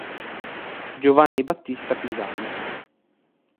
Giovanni Battista Pisani